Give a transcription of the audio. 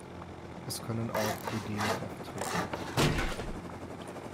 Es können auch Ödeme auftreten.